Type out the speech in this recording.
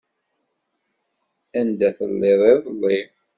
Anda telliḍ iḍelli?